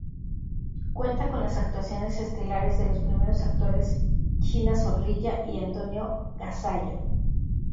Cuenta con las actuaciones estelares de los primeros actores China Zorrilla y Antonio Gasalla.